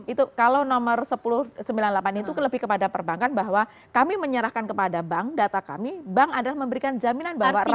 itu kalau nomor sembilan puluh delapan itu lebih kepada perbankan bahwa kami menyerahkan kepada bank data kami bank adalah memberikan jaminan bahwa